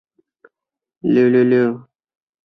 黄包车的车轮也全部被改换。